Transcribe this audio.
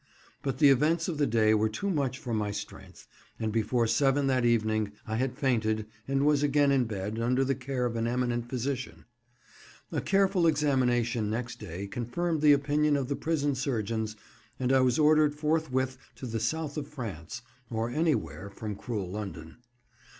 But the events of the day were too much for my strength, and before 7 that evening I had fainted, and was again in bed, under the care of an eminent physician. A careful examination next day confirmed the opinion of the prison surgeons, and I was ordered forthwith to the South of France, or anywhere from cruel London.